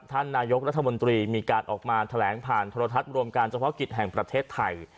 ท่านนายกรัฐมนตรีมีการออกมาแถลงผ่านโทรทัศน์รวมการเฉพาะกิจแห่งประเทศไทย